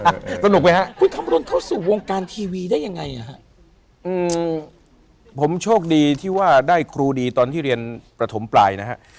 อ่ะขอโทษนะค่ะสนุกไหมฮะคุณทำรนเข้าสู่วงการทีวีได้ยังไงผมโชคดีที่ว่าได้ครูดีตอนที่เรียนประถมปลายนะฮะ